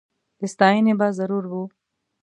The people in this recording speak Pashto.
د ستایني به ضرور و